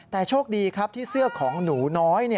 แต่โชคดีครับที่เสื้อของหนูน้อย